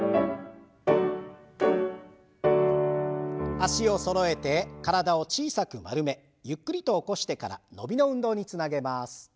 脚をそろえて体を小さく丸めゆっくりと起こしてから伸びの運動につなげます。